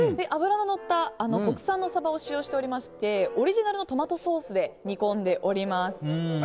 脂ののった国産のサバを使用しておりましてオリジナルのトマトソースで煮込んでおります。